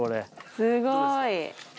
すごい。